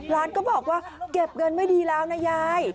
ร้านก็บอกว่าเก็บเงินไม่ดีแล้วนะยาย